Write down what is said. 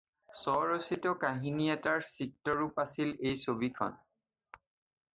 স্বৰচিত কাহিনী এটাৰ চিত্ৰৰূপ আছিল এই ছবিখন।